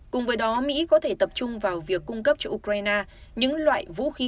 cùng với đó mỹ có thể tập trung vào việc cung cấp cho ukraine những loại vũ khí